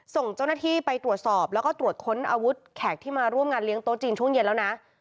ส่งเจ้าหน้าที่ไปตรวจสอบแล้วก็ตรวจค้นอาวุธแขกที่มาร่วมงานเลี้ยโต๊จีนช่วงเย็นแล้วนะ